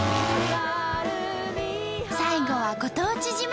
最後はご当地自慢！